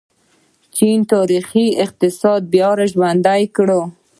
چین د تاریخي اقتصاد بیا راژوندی کړ.